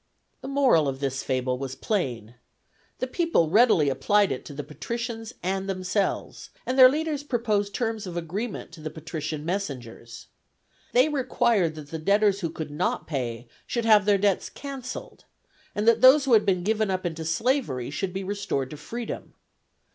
The moral of this fable was plain. The people readily applied it to the patricians and themselves, and their leaders proposed terms of agreement to the patrician messengers. They required that the debtors who could not pay should have their debts cancelled, and that those who had been given up into slavery should be restored to freedom.